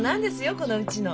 このうちの。